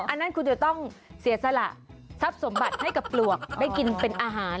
อันนั้นคุณจะต้องเสียสละทรัพย์สมบัติให้กับปลวกได้กินเป็นอาหาร